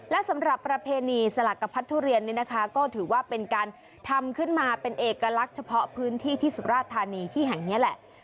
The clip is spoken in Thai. และสำหรับประเพณีสลักกระพัดทุเรียนนี่นะคะก็ถือว่าเป็นการทำขึ้นมาเป็นเอกลักษณ์เฉพาะพื้นที่ที่สุราธานีที่แห่งนี้แหละ